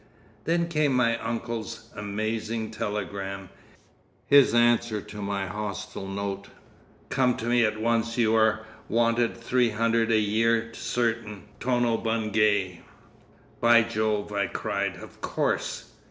Then came my uncle's amazing telegram, his answer to my hostile note: "Come to me at once you are wanted three hundred a year certain tono bungay." "By Jove!" I cried, "of course!